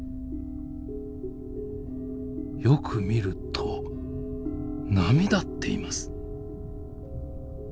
よく見ると波立っています。